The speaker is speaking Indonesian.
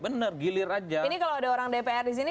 bener gilir aja ini kalau ada orang dpr disini